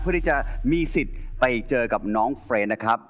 เพื่อที่จะมีสิทธิ์ไปเจอกับน้องเฟรนนะครับ